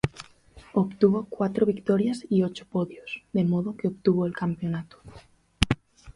Obtuvo cuatro victorias y ocho podios, de modo que obtuvo el campeonato.